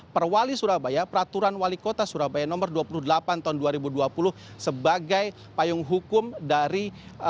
perwali surabaya peraturan wali kota surabaya nomor dua puluh delapan tahun dua ribu dua puluh sebagai payung hukum dari